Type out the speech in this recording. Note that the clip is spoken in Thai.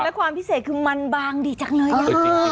และความพิเศษคือมันบางดีจังเลยนะ